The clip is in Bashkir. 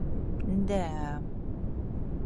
— Дә-ә.